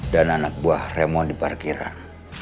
dan anak buah raymond di parkiran